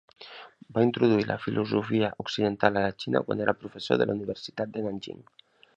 Va introduir la filosofia occidental a la Xina quan era professor de la Universitat de Nanjing.